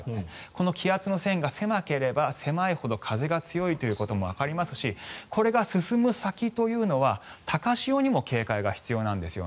この気圧の線が狭ければ狭いほど風が強いということもわかりますしこれが進む先というのは高潮にも警戒が必要なんです。